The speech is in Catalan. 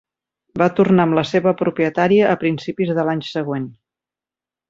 Va tornar amb la seva propietària a principis de l'any següent.